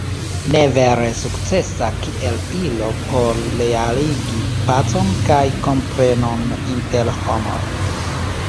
Ne vere sukcesa kiel ilo por realigi pacon kaj komprenon inter homoj.